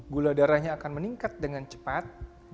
gula darahnya akan meningkat dengan cepat